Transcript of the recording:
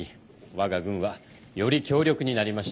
わが軍はより強力になりました。